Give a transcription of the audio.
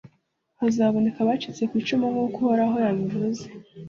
hazaboneka abacitse ku icumu, nk’uko Uhoraho yabivuze,